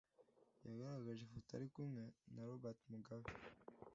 yagaragaje ifoto ari kumwe na Robert Mugabe